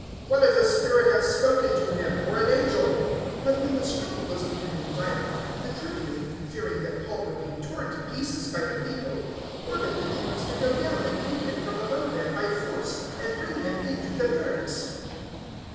What if a spirit has spoken to him, or an angel !" 023:010 But when the struggle was becoming violent, the Tribune, fearing that Paul would be torn to pieces by the people, ordered the troops to go down and take him from among them by force and bring him into the barracks.